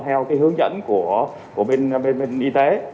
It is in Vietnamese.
theo hướng dẫn của bên y tế